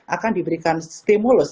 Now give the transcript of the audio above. akan diberikan stimulus